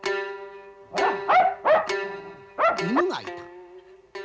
犬がいた。